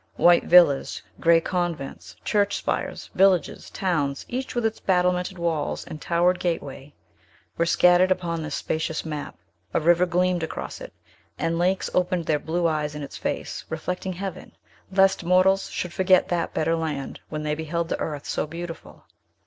White villas, gray convents, church spires, villages, towns, each with its battlemented walls and towered gateway, were scattered upon this spacious map; a river gleamed across it; and lakes opened their blue eyes in its face, reflecting heaven, lest mortals should forget that better land when they beheld the earth so beautiful.